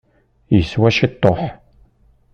Yeswa ciṭuḥ.